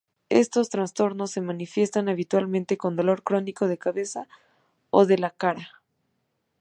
Estos trastornos se manifiestan habitualmente con dolor crónico de cabeza o de la cara.